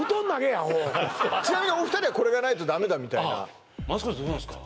アホちなみにお二人はこれがないとダメだみたいなマツコさんどうなんですか